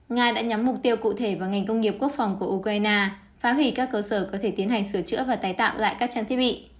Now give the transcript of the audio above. nga đã nhắm mục tiêu cụ thể vào ngành công nghiệp quốc phòng của ukraine phá hủy các cơ sở có thể tiến hành sửa chữa và tái tạo lại các trang thiết bị